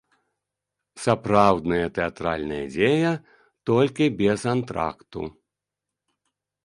Сапраўдная тэатральная дзея, толькі без антракту.